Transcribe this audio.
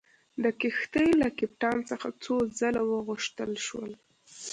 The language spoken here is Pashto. د کښتۍ له کپټان څخه څو ځله وغوښتل شول.